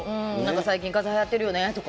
最近かぜはやってるよねとか。